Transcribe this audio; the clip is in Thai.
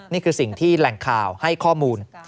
นี่คือสิ่งที่แหล่งข่าวให้ข้อมูล